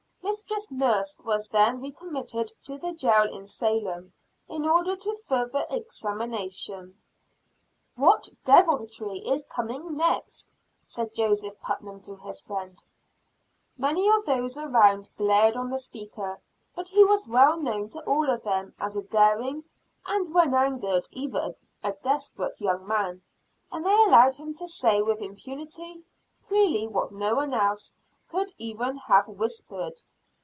"Mistress Nurse was then recommitted to the jail in Salem, in order to further examination." "What deviltry is coming next?" said Joseph Putnam to his friend. Many of those around glared on the speaker, but he was well known to all of them as a daring and when angered even a desperate young man and they allowed him to say with impunity, freely what no one else could even have whispered.